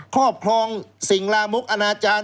ข้อพรองสิ่งลามุกอนาจารย์